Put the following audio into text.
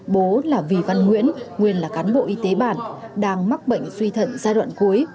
bố là vì văn nguyễn nguyên là cán bộ y tế bản đang mắc bệnh suy thận giai đoạn cuối